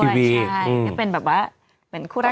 เป็นแบบว่าเป็นคู่รักตังวัยอะไรอย่างเงี้ย